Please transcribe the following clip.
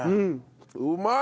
うまい！